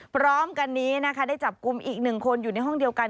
พร้อมกันนี้นะคะได้จับกลุ่มอีกหนึ่งคนอยู่ในห้องเดียวกัน